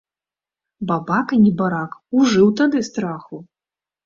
Бабака, небарак, ужыў тады страху!